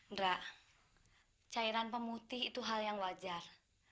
enggak cairan pemutih itu hal yang wajar